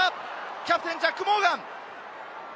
キャプテン、ジャック・モーガン！